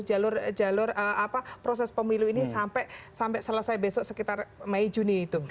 jalur jalur proses pemilu ini sampai selesai besok sekitar mei juni itu